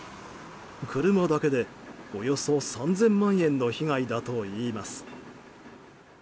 車だけでおよそ３０００万円の被害だといいます。